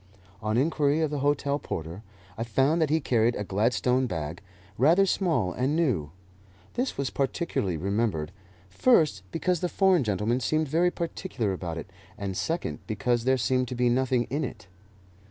On inquiry of the hotel porter, I found that he carried a Gladstone bag, rather small and new. This was particularly remembered first, because the foreign gentleman seemed very particular about it, and, second, because there seemed to be nothing in it.